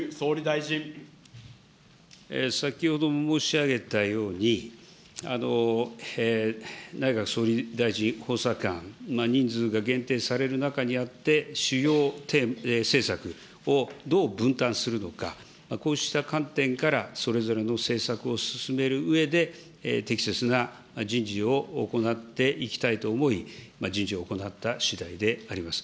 先ほども申し上げたように、内閣総理大臣補佐官、人数が限定される中にあって、主要政策をどう分担するのか、こうした観点からそれぞれの政策を進めるうえで、適切な人事を行っていきたいと思い、人事を行ったしだいであります。